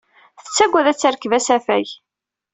Tettagad ad terkeb asafag.